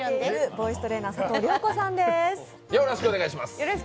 ボイストレーナー佐藤涼子さんです。